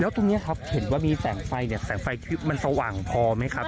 ตรงนี้ครับเห็นว่ามีแสงไฟเนี่ยแสงไฟทริปมันสว่างพอไหมครับ